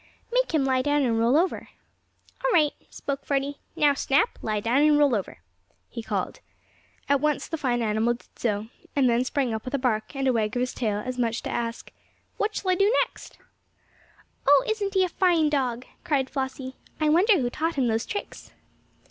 "Make him lie down and roll over." "All right," spoke Freddie. "Now, Snap, lie down and roll over!" he called. At once the fine animal did so, and then sprang up with a bark, and a wag of his tail, as much as to ask: "What shall I do next?" "Oh, isn't he a fine dog!" cried Flossie. "I wonder who taught him those tricks?"